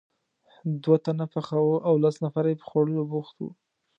دوه تنه پخاوه او لس نفره یې په خوړلو بوخت وو.